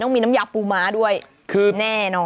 ต้องมีน้ำยาปูม้าด้วยแน่นอน